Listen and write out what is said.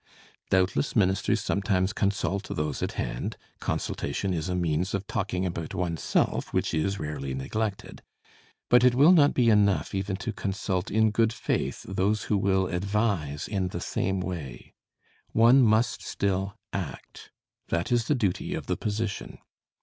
Doubtless ministers sometimes consult those at hand: consultation is a means of talking about one's self which is rarely neglected. But it will not be enough even to consult in good faith those who will advise in the same way. One must still act: that is the duty of the position.